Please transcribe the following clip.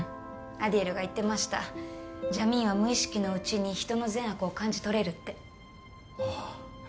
アディエルが言ってましたジャミーンは無意識のうちに人の善悪を感じ取れるってああ